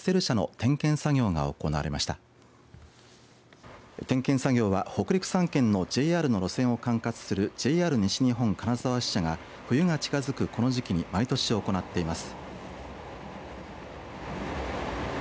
点検作業は北陸３県のＪＲの路線を管轄するＪＲ西日本金沢支社が冬が近づくこの時期に毎年、行っています。